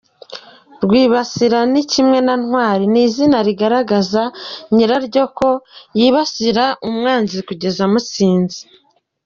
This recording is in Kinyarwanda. Rwibasira ni kimwe na Ntwari, ni izina rigaragaza nyiraryo ko yibasira umwanzi kugeza amutsinze.